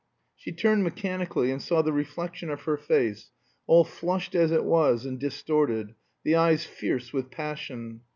She turned mechanically and saw the reflection of her face, all flushed as it was and distorted, the eyes fierce with passion.